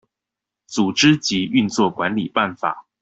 組織及運作管理辦法